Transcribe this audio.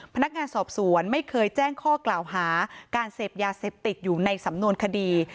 พนักงานสอบสวนไม่เคยแจ้งข้อกล่าวหาการเสพยาเสพติดอยู่ในสำนวนคดี